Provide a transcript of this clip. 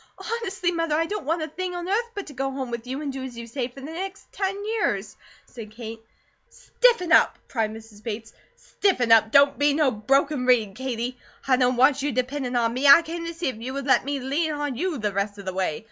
"Honestly, Mother, I don't want a thing on earth but to go home with you and do as you say for the next ten years," said Kate. "Stiffen up!" cried Mrs. Bates. "Stiffen up!" "Don't be no broken reed, Katie! I don't want you dependin' on ME; I came to see if you would let ME lean on YOU the rest of the way.